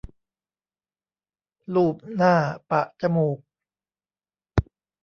ลูบหน้าปะจมูก